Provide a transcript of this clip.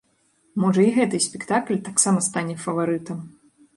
Можа, і гэты спектакль таксама стане фаварытам.